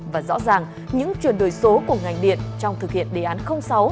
và rõ ràng những chuyển đổi số của ngành điện trong thực hiện đề án sáu